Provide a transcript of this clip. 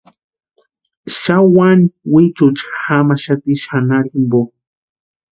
Xani wani wichucha jamaxati xanharu jimpo.